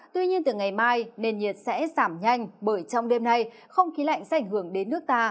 tuy nhiên từ ngày mai nền nhiệt sẽ giảm nhanh bởi trong đêm nay không khí lạnh sẽ ảnh hưởng đến nước ta